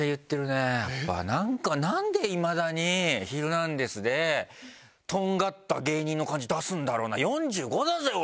何でいまだに『ヒルナンデス！』でとんがった芸人の感じ出すんだろうな４５だぜ俺！